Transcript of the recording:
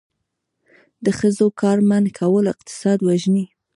د ښځو کار منع کول اقتصاد وژني.